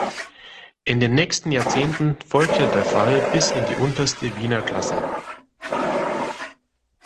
In den nächsten Jahrzehnten folgte der Fall bis in die unterste Wiener Klasse.